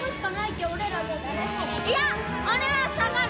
いや俺は下がる。